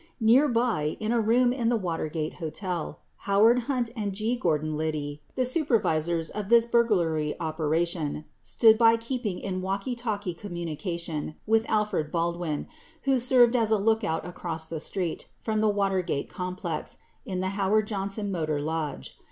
2 Nearby, in a room in the Watergate Hotel, Howard Hunt and G. Gordon Liddy, the supervisors of this burglary operation, stood by keeping in walkie talkie communication with Alfred Baldwin who served as a lookout across the street from the Watergate complex in the Howard Johnson Motor Lodge.